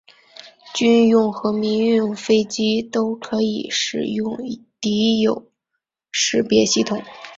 军用和民用飞机都可以使用敌友识别系统。